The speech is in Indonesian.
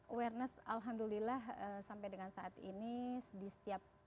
awareness alhamdulillah sampai dengan saat ini di setiap acara di setiap pertemuan di setiap pertemuan